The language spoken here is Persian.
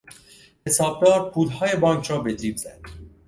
حسابدار پولهای بانک را به جیب زد.